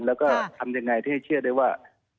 แล้วก็ทำยังไงที่ให้เชื่อได้ว่า